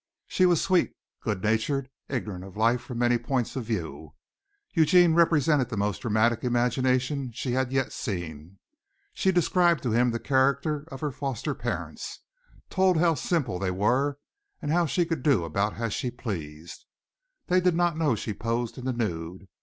She was sweet, good natured, ignorant of life from many points of view. Eugene represented the most dramatic imagination she had yet seen. She described to him the character of her foster parents, told how simple they were and how she could do about as she pleased. They did not know that she posed in the nude.